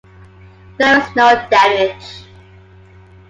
There was no damage.